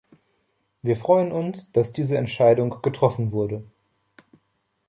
Wir freuen uns, dass diese Entscheidung getroffen wurde.